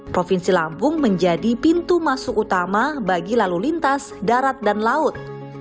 provinsi lampung menjadi pintu masuk utama bagi lalu lintas darat dan laut